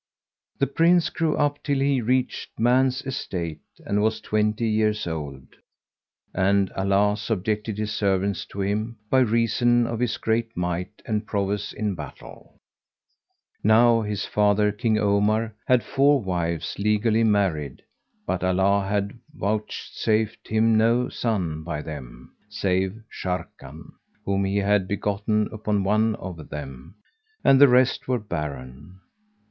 This Prince grew up till he reached man's estate and was twenty years old, and Allah subjected His servants to him, by reason of his great might and prowess in battle. Now his father, King Omar, had four wives legally married, but Allah had vouchsafed him no son by them, save Sharrkan, whom he had begotten upon one of them, and the rest were barren.